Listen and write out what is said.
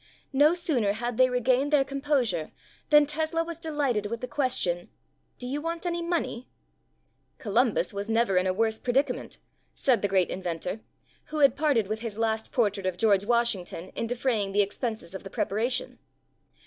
No sooner had they regained their composure than Tesla was delighted with the question : "Do you want any money ?" "Columbus was never in a worse predicament," said the great inventor, who had parted with his last portrait of George Washington in defray ing the expenses of the preparation.